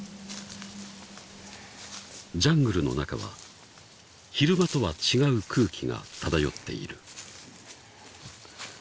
［ジャングルの中は昼間とは違う空気が漂っている］